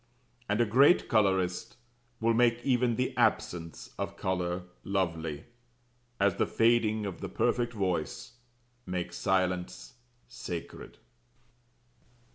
And a great colourist will make even the absence of colour lovely, as the fading of the perfect voice makes silence sacred.